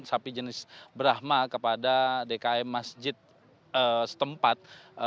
sapi jenis brahma kepada dkm masjid setempat